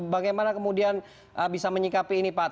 bagaimana kemudian bisa menyikapi ini pak